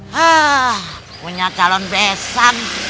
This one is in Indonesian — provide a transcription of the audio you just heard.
hah punya calon besan